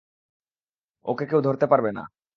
ওকে কেউ ধরতে পারবে না।